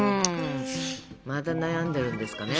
また悩んでるんですかね。